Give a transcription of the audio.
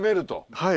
はい。